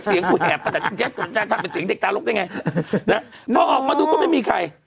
เสียงกูแหบไปเป็นเสียงเด็กตาลุกได้ไงพอออกมาดูก็ไม่มีใคร